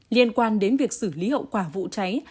liên quan đến việc xử lý hậu quả vụ cháy